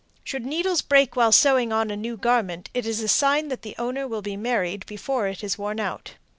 Should needles break while sewing on a new garment, it is a sign that the owner will be married before it is worn out.